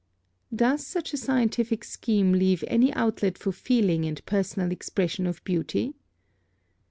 +Does such a scientific scheme leave any outlet for feeling and personal expression of beauty?